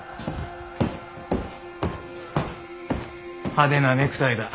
派手なネクタイだ。